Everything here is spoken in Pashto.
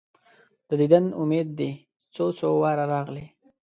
د دیدن امید دي څو، څو واره راغلی